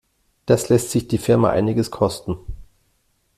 Das lässt sich die Firma einiges kosten.